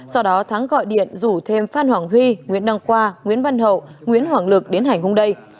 sau đó thắng gọi điện rủ thêm phan hoàng huy nguyễn đăng khoa nguyễn văn hậu nguyễn hoàng lực đến hành hung đây